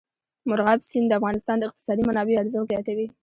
مورغاب سیند د افغانستان د اقتصادي منابعو ارزښت زیاتوي.